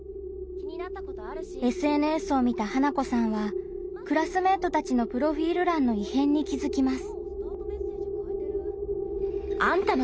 ＳＮＳを見た花子さんはクラスメートたちのプロフィール欄の異変に気づきます。